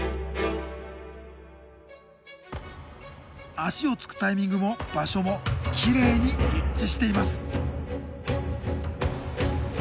足をつくタイミングも場所もきれいに一致しています。